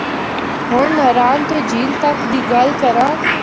ہور ناران تو جھیل تک دی گل کرّاں۔